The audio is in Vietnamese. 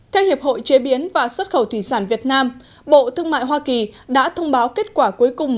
theo hiệp hội chế biến và xuất khẩu thủy sản việt nam bộ thương mại hoa kỳ đã thông báo kết quả cuối cùng